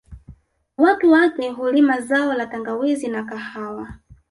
Watu wake hulima zao la tangawizi na kahawa